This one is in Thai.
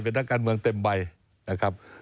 เป็นนักการเมืองเต็มใบนะครับ